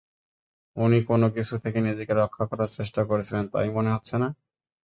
উনি কোনও কিছু থেকে নিজেকে রক্ষা করার চেষ্টা করছিলেন, তাই মনে হচ্ছে না?